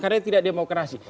karena tidak demokrasi